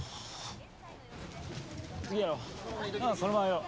そのまま言おう。